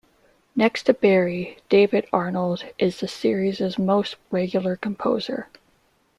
Next to Barry, David Arnold is the series' most regular composer.